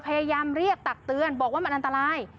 พยายามเรียกตักเตือนบอกว่ามันอันตราย